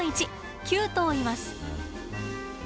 ９頭います。